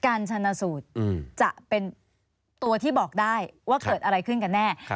การชนะสูตรจะเป็นตัวที่บอกได้ว่าเกิดอะไรขึ้นกันแน่